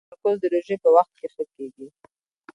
تمرکز د روژې په وخت کې ښه کېږي.